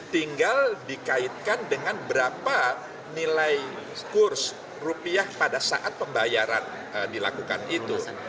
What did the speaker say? tinggal dikaitkan dengan berapa nilai kurs rupiah pada saat pembayaran dilakukan itu